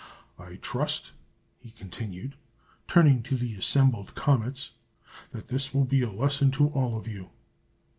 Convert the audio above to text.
I trust," he continued, turning to the assembled comets, "that this will be a lesson to all of you!"